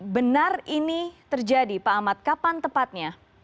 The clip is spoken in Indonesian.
benar ini terjadi pak ahmad kapan tepatnya